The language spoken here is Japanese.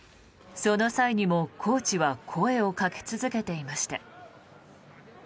その際にもコーチは声をかけ続けていました。